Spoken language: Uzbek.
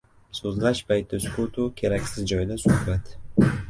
So‘zlash payti sukutu keraksiz joyda suhbat.